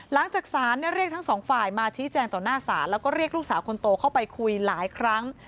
หลังจากศาลเรียกทั้งสองฝ่ายมาชี้แจงต่อหน้าศาลแล้วก็เรียกลูกสาวคนโตเข้าไปคุยหลายครั้ง